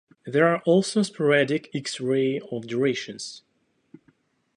There are also sporadic X-ray off durations.